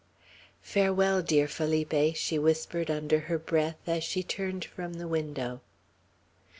"Farewell, dear Felipe!" she whispered, under her breath, as she turned from the window.